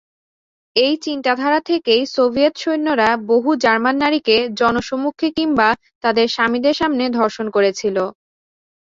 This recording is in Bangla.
এই চিন্তাধারা থেকেই সোভিয়েত সৈন্যরা বহু জার্মান নারীকে জনসম্মুখে কিংবা তাদের স্বামীদের সামনে ধর্ষণ করেছিল।